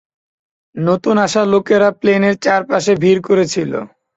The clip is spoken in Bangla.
নতুন আসা লোকেরা প্লেনের চারপাশে ভিড় করে ছিল।